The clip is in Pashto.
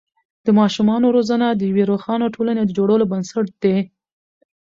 د ماشومانو روزنه د یوې روښانه ټولنې د جوړولو بنسټ دی.